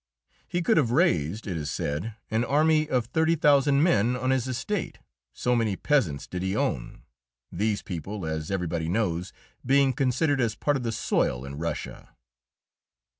He could have raised, it is said, an army of 30,000 men on his estate, so many peasants did he own, these people, as everybody knows, being considered as part of the soil in Russia.